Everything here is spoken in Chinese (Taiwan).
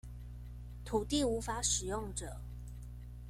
土地無法使用者